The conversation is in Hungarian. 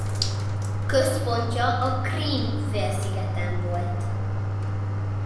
Központja a Krím-félszigeten volt.